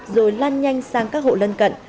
rồi lan nhanh sang các hộ lân cận